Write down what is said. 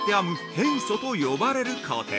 編組と呼ばれる工程。